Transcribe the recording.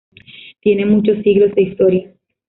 Tiene muchos siglos de historia.